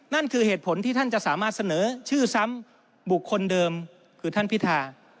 นั่นคือเหตุผลที่ท่านจะสามารถเสนอชื่อซ้ำบุคคลเดิมคือท่านพิธา